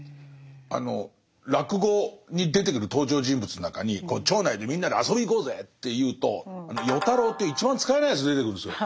あの落語に出てくる登場人物の中に町内でみんなで遊びに行こうぜっていうと与太郎っていう一番使えないやつ出てくるんですよ。